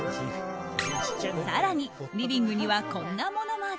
更にリビングにはこんなものまで。